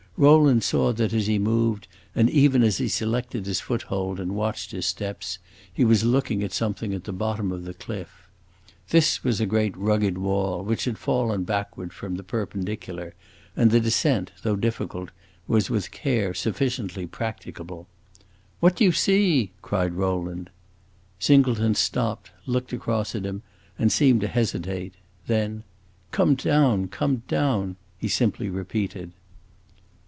Rowland saw that as he moved, and even as he selected his foothold and watched his steps, he was looking at something at the bottom of the cliff. This was a great rugged wall which had fallen backward from the perpendicular, and the descent, though difficult, was with care sufficiently practicable. "What do you see?" cried Rowland. Singleton stopped, looked across at him and seemed to hesitate; then, "Come down come down!" he simply repeated.